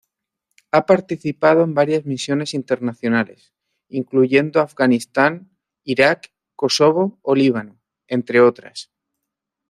Ha participado en varias misiones internacionales, incluyendo Afganistán, Irak, Kosovo o Líbano entre otras.